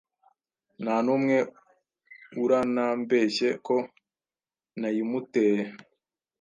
Ntanumwe uranambeshye ko nayimuteye